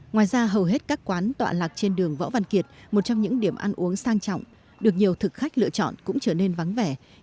ngoài ra hầu hết các quán tọa lạc trên đường võ văn kiệt một trong những điểm ăn uống sang trọng được nhiều thực khách lựa chọn cũng trở nên vắng vẻ